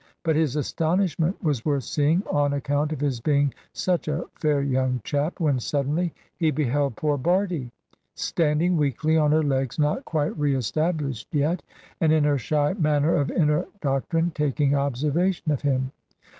But his astonishment was worth seeing, on account of his being such a fair young chap, when suddenly he beheld poor Bardie, standing weakly on her legs not quite re established yet, and in her shy manner of inner doctrine taking observation of him.